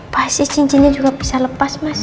pasti cincinnya juga bisa lepas mas